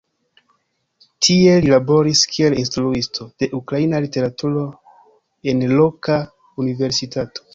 Tie li laboris kiel instruisto de ukraina literaturo en loka universitato.